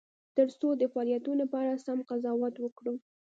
ترڅو د فعالیتونو په اړه سم قضاوت وکړو.